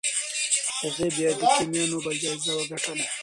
هغې بیا د کیمیا نوبل جایزه وګټله.